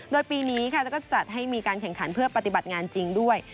โดยปีนี้จะจัดให้มีการแข่งขันเพื่อปฏิบัติงานจริงด้วย